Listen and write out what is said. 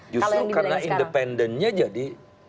justru karena independennya jadi